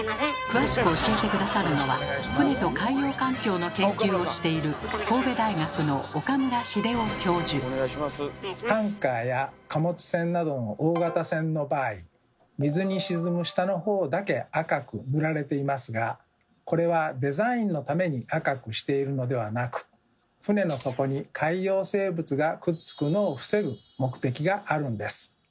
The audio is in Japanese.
詳しく教えて下さるのは船と海洋環境の研究をしているタンカーや貨物船などの大型船の場合水に沈む下のほうだけ赤く塗られていますがこれはデザインのために赤くしているのではなく船の底に海洋生物がくっつくのを防ぐ目的があるんです。